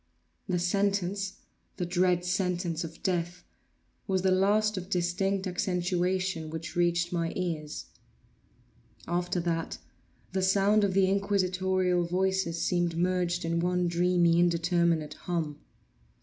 The sentence—the dread sentence of death—was the last of distinct accentuation which reached my ears. After that, the sound of the inquisitorial voices seemed merged in one dreamy indeterminate hum.